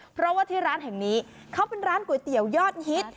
เพราะว่าที่ร้านแห่งนี้เขาเป็นร้านก๋วยเตี๋ยวยอดฮิต